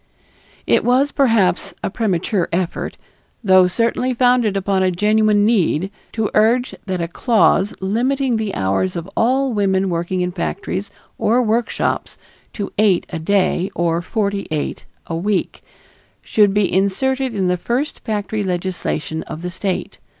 It was, perhaps, a premature effort, though certainly founded upon a genuine need, to urge that a clause limiting the hours of all women working in factories or workshops to eight a day, or forty eight a week, should be inserted in the first factory legislation of the State.